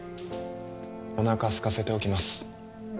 おなかすかせておきます